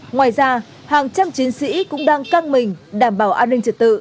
ngoài ra hàng trăm chiến sĩ cũng đang căng mình đảm bảo an ninh trật tự